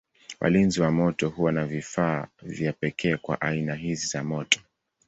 Walinzi wa moto huwa na vifaa vya pekee kwa aina hizi za moto.